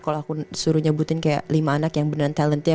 kalau aku suruh nyebutin kayak lima anak yang beneran talent ya